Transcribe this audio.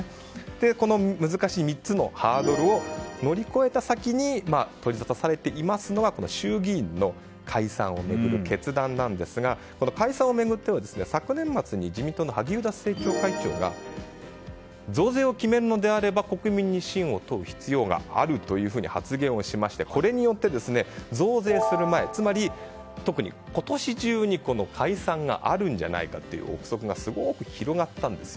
この難しい３つのハードルを乗り越えた先に取りざたされていますのが衆議院の解散を巡る決断ですが解散を巡っては、昨年末に自民党の萩生田政調会長が増税を決めるのであれば国民に信を問う必要があるというふうに発言をしましてこれによって、増税する前つまり、特に今年中に解散があるんじゃないかという憶測がすごく広がったんですよ。